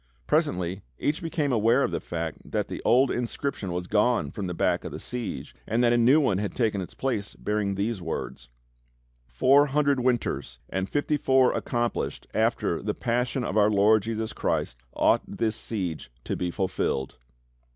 Presently each became aware of the fact that the old inscription was gone from the back of the Siege and that a new one had taken its place bearing these words: "Four hundred winters and fifty four accomplished after THE PASSION OF OUR LORD JeSUS ChRIST OUGHT THIS SIEGE TO BE FULFILLED."